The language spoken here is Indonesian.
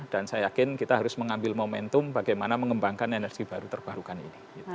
saya yakin kita harus mengambil momentum bagaimana mengembangkan energi baru terbarukan ini